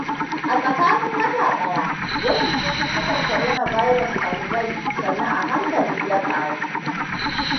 A tsakanin wata daya, yawan cututtukan coronavirus a Hubei sannu a hankali ya ƙaru.